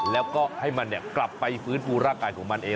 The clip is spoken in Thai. แล้วก็ให้มันกลับไปฟื้นฟูร่างกายของมันเอง